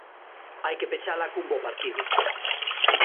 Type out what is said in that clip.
Hai que pechala cun bo partido.